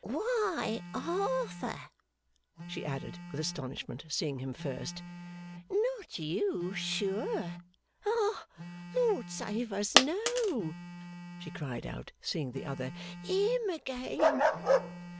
'Why, Arthur!' she added with astonishment, seeing him first. 'Not you sure? Ah, Lord save us! No,' she cried out, seeing the other. 'Him again!